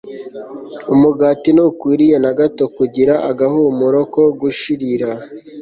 Umugati ntukwiriye na gato kugira agahumuro ko gushirira